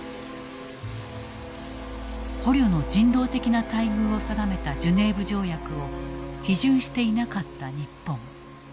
捕虜の人道的な待遇を定めたジュネーブ条約を批准していなかった日本。